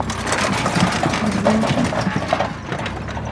The blue sheet.